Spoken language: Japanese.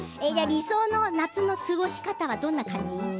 理想の夏の過ごし方はどんな感じ？